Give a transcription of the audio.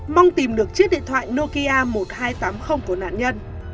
mong tìm được chiếc điện thoại nokia một nghìn hai trăm tám mươi